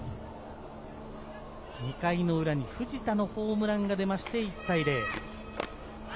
２回の裏に藤田のホームランが出て１対０。